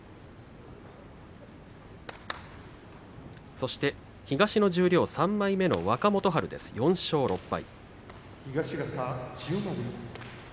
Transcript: そして東の十両３枚目の若元春４勝６敗。